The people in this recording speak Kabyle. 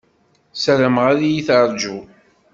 Ssarameɣ ad iyi-teṛju.